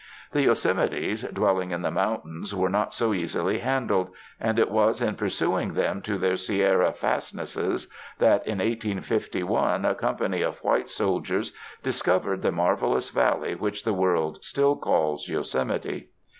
The Yosemites, dwelling in the mountains, were not so easily handled, and it was in pursuing them to their Sierra fastnesses that in 1851 a company of white soldiers discovered the marvelous valley which the world still calls Yosemite.